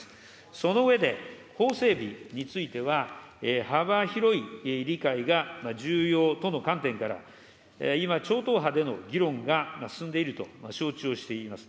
その上で、法整備については、幅広い理解が重要との観点から、今、超党派での議論が進んでいると承知をしています。